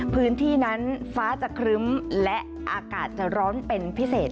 พื้นที่นั้นฟ้าจะเคล้อดเจอนและอากาศจะเร็วร้อนเป็นพิเสบ